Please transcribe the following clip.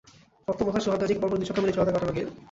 সপ্তম ওভারে সোহাগ গাজীকে পরপর দুই ছক্কা মেরেই জড়তা কাটান গেইল।